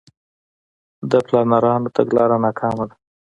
د پلانرانو تګلاره ناکامه ده.